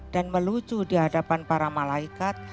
dan melucu dihadapan para malaikat